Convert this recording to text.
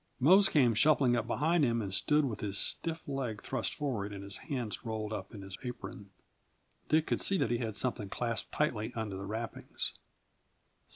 Mose came shuffling up behind him and stood with his stiff leg thrust forward and his hands rolled up in his apron. Dick could see that he had something clasped tightly under the wrappings.